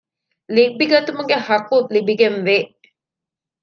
ލިބިގަތުމުގެ ޙައްޤު ލިބިގެން ވޭ